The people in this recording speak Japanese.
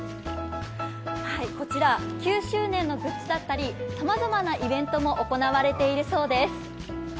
こちら、９周年のグッズだったり、さまざまなイベントも行われているそうです。